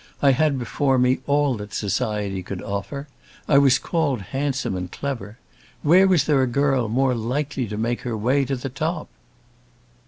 I had before me all that society could offer. I was called handsome and clever. Where was there a girl more likely to make her way to the top?"